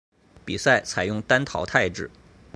比赛采用单淘汰制。